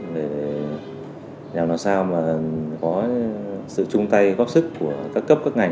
để làm làm sao mà có sự chung tay góp sức của các cấp các ngành